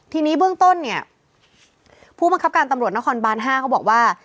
ทีนี้เบื้องต้นเนี่ยผู้บังคับการตำรวจนครบาน๕เขาบอกว่า